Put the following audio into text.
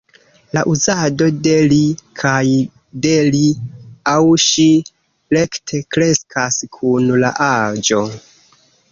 La uzado de ”li” kaj de ”li aŭ ŝi” rekte kreskas kun la aĝo.